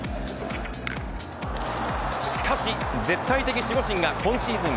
しかし、絶対的守護神が今シーズン